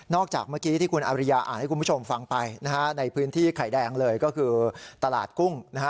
จากเมื่อกี้ที่คุณอริยาอ่านให้คุณผู้ชมฟังไปนะฮะในพื้นที่ไข่แดงเลยก็คือตลาดกุ้งนะฮะ